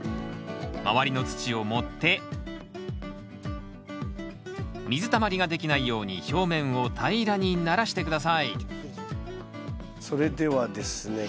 周りの土を盛って水たまりができないように表面を平らにならして下さいそれではですね